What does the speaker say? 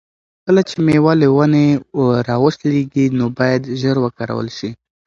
کله چې مېوه له ونې را وشلیږي نو باید ژر وکارول شي.